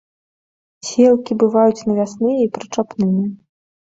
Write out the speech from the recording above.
Сеялкі бываюць навясныя і прычапныя.